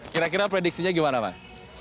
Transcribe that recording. kira kira prediksinya gimana mas